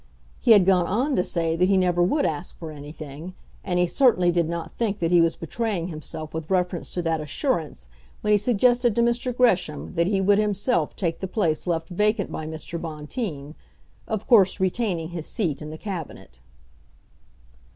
He had gone on to say that he never would ask for anything; and he certainly did not think that he was betraying himself with reference to that assurance when he suggested to Mr. Gresham that he would himself take the place left vacant by Mr. Bonteen of course retaining his seat in the Cabinet.